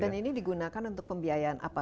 dan ini digunakan untuk pembiayaan apa